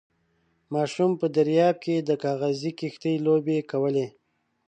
ماشوم په درياب کې د کاغذي کښتۍ لوبې کولې.